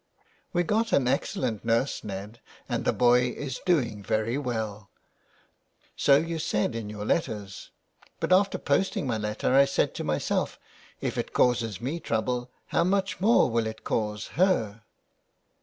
'*We got an excellent nurse, Ned, and the boy is doing very well." '' So you said in your letters. But after posting my letter I said to myself: if it causes me trouble, how much more will it cause her